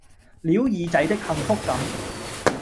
撩耳仔的幸福感